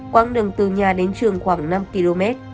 quang đường từ nhà đến trường khoảng năm km